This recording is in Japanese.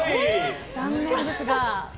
残念ですが。